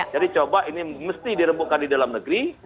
jadi coba ini mesti dirembukkan di dalam negeri